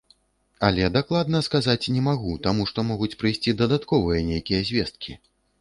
Але дакладна сказаць не магу, таму што могуць прыйсці дадатковыя нейкія звесткі.